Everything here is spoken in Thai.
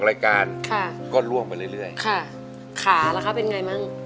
รายการค่ะก็ล่วงไปเรื่อยเรื่อยค่ะขาล่ะคะเป็นไงมั่ง